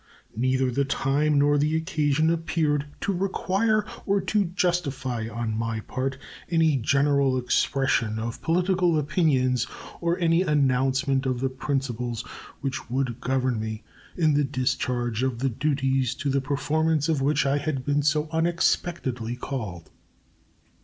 Neither the time nor the occasion appeared to require or to justify on my part any general expression of political opinions or any announcement of the principles which would govern me in the discharge of the duties to the performance of which I had been so unexpectedly called.